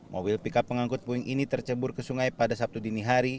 mobil pickup pengangkut puing ini tercebur ke sungai pada sabtu dini hari